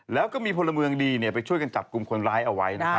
แล้วก็มีพลเมืองดีไปช่วยกันจับกลุ่มคนร้ายเอาไว้นะครับ